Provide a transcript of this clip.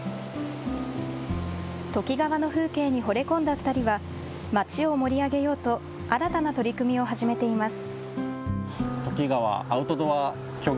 ときがわの風景にほれ込んだ２人は町を盛り上げようと新たな取り組みを始めています。